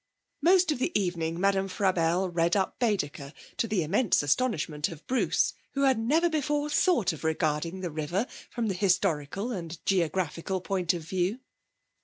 Most of the evening Madame Frabelle read up Baedeker, to the immense astonishment of Bruce, who had never before thought of regarding the river from the historical and geographical point of view.